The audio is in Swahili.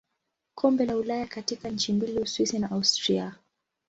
Kombe la Ulaya katika nchi mbili Uswisi na Austria.